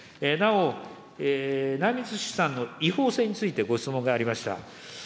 なお、内密出産の違法性についてご質問がありました。